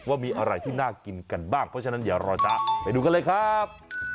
ว่ามีอะไรที่น่ากินกันบ้างเพราะฉะนั้นอย่ารอจ๊ะไปดูกันเลยครับ